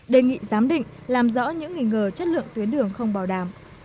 đề nghị giám định làm rõ những nghi ngờ chất lượng tuyến đường không bảo đảm